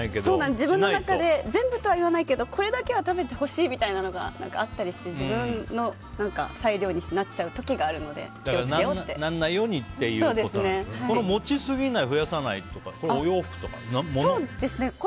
自分の中で全部ではないけれどこれだけは食べてほしいみたいなのがあったりして自分の裁量になっちゃう時が持ちすぎない、増やさないはお洋服とか？